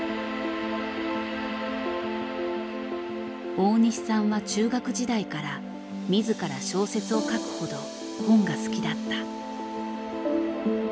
大西さんは中学時代から自ら小説を書くほど本が好きだった。